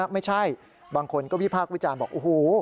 ไม่ใช่บางคนก็วิพากษ์วิจารณ์บอกโอ้โห